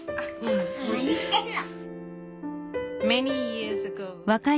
何してんの。